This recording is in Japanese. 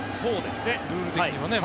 ルール的には。